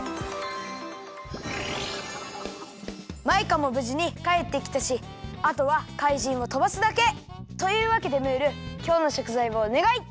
マイカもぶじにかえってきたしあとは怪人をとばすだけ！というわけでムールきょうのしょくざいをおねがい！